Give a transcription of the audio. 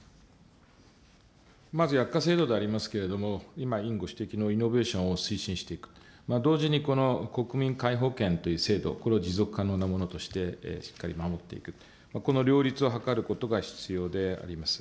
まず薬価制度でありますけれども、今、委員ご指摘のイノベーションを推進していく、同時にこの国民皆保険という制度、これを持続可能なものとしてしっかり守っていく、この両立を図ることが必要であります。